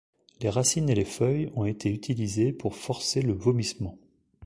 Les racines et les feuilles ont été utilisées pour forcer le vomissement.